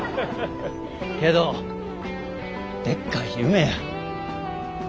けどでっかい夢や！